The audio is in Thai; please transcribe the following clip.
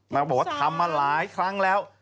บอกว่าทำมาหลายครั้งแล้ว